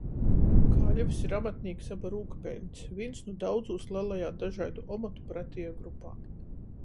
Kaļvs ir amatnīks aba rūkpeļns – vīns nu daudzūs lelajā dažaidu omotu pratieju grupā.